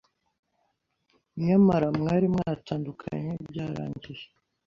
nyamara mwari mwatandukanye byarangiye.